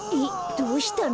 どうしたの？